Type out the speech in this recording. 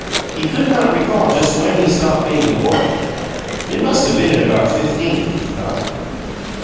He could not recall just when he stopped being a boy; it must have been at about fifteen, he thought.